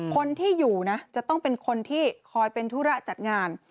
คนที่อยู่นะจะต้องเป็นคนที่คอยเป็นธุระจัดงาน